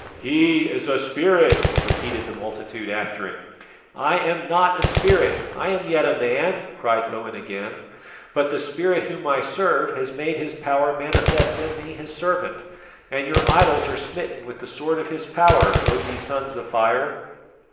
"He is a spirit," repeated the multitude after him. "I am not a spirit, I am yet a man," cried Owen again, "but the Spirit Whom I serve has made His power manifest in me His servant, and your idols are smitten with the sword of His power, O ye Sons of Fire!